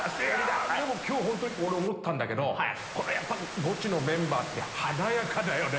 今日本当に俺思ったんだけどゴチのメンバーって華やかだよね。